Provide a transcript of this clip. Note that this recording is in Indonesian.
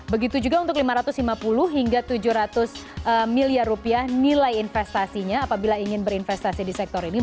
begitu juga untuk lima ratus lima puluh hingga tujuh ratus miliar rupiah nilai investasinya apabila ingin berinvestasi di sektor ini